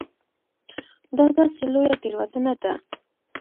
دا داسې لویه تېروتنه وه.